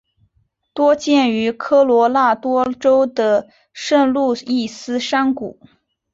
多见于科罗拉多州的圣路易斯山谷。